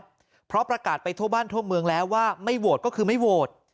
เพราะประกาศไปทั่วบ้านทั่วเมืองแล้วว่าไม่โหวตก็คือไม่โหวต